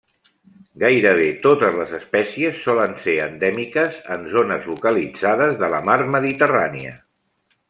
Gairebé totes les espècies solen ser endèmiques en zones localitzades de la mar Mediterrània.